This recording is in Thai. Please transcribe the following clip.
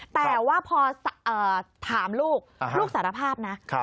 แต่ว่าพอถามลูกลูกสารภาพนะ